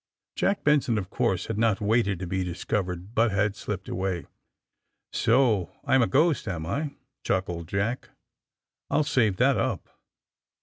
Jack Benson, of course, had not waited to be discovered, but had slipped away. ^^So I'm a ghost, am I?" chuckled Jack. '*I'll save that up."